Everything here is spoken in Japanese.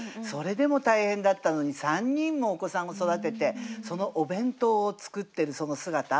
それでも大変だったのに３人もお子さんを育ててそのお弁当を作ってるその姿。